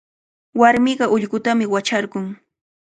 Warmiqa ullqutami wacharqun.